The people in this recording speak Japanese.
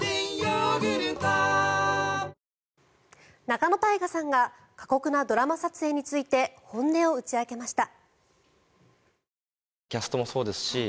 仲野太賀さんが過酷なドラマ撮影について本音を打ち明けました。